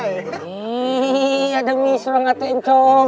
ih ada misru ngatain combro